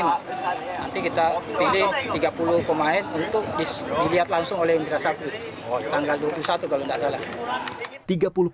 nanti kita pilih tiga puluh pemain untuk dilihat langsung oleh indra sapu tanggal dua puluh satu kalau tidak salah